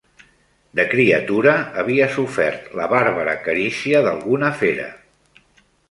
De criatura, havia sofert la bàrbara carícia d'alguna fera.